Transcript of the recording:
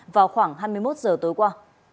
vào khoảng hai mươi một h tối qua